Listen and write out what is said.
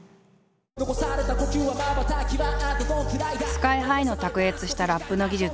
ＳＫＹ−ＨＩの卓越したラップの技術